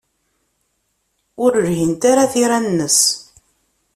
Ur lhint ara tira-nnes.